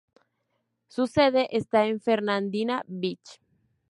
Su sede está en Fernandina Beach.